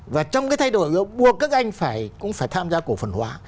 và trong cái thay đổi buộc các anh cũng phải tham gia cổ phần hóa